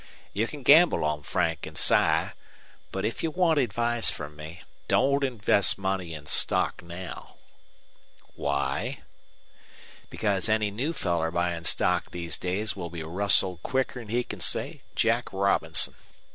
You can gamble on Frank and Si. But if you want advice from me don't invest money in stock now." "Why?" "Because any new feller buyin' stock these days will be rustled quicker 'n he can say Jack Robinson.